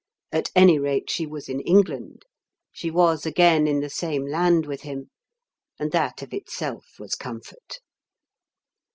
At any rate, she was in England, she was again in the same land with him; and that of itself was comfort.